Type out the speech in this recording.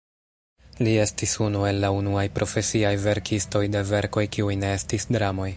Li estis unu el la unuaj profesiaj verkistoj de verkoj kiuj ne estis dramoj.